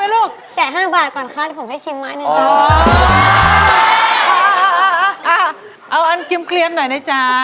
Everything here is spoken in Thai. อร่อยจริงหน่อยนะจ๊ะ